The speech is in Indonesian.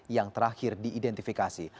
yang terakhir diidentifikasi